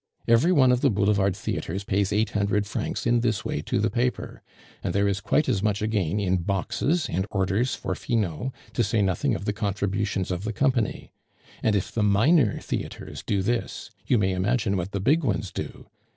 Every one of the Boulevard theatres pays eight hundred francs in this way to the paper; and there is quite as much again in boxes and orders for Finot, to say nothing of the contributions of the company. And if the minor theatres do this, you may imagine what the big ones do!